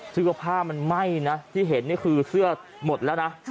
ซึ่งก็ผ้ามันไหม้นะที่เห็นนี่คือเสื้อหมดแล้วนะ